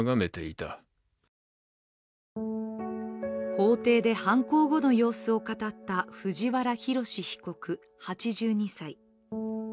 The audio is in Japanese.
法廷で犯行後の様子を語った藤原宏被告、８２歳。